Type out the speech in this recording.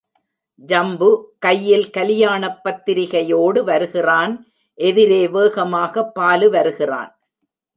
ஜம்பு கையில் கலியாணப் பத்திரிகையோடு வருகிறான் எதிரே வேகமாக பாலு வருகிறான்.